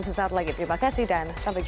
sesaat lagi terima kasih dan sampai jumpa